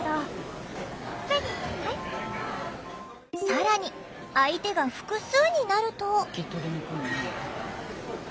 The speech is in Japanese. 更に相手が複数になると。